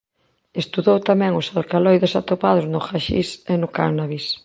Estudou tamén os alcaloides atopados no haxix e no cánnabis.